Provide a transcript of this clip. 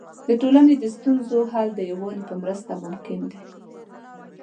د ټولنې د ستونزو حل د یووالي په مرسته ممکن دی.